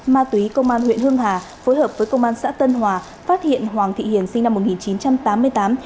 ma túy công an huyện hưng hà phối hợp với công an xã tân hòa phát hiện hoàng thị hiền sinh năm một nghìn chín trăm tám mươi tám